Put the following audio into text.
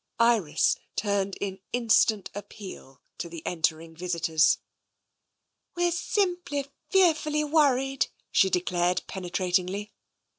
Iris turned in instant appeal to the entering visitors. "We're simply fearfully worried," she declared penetratingly.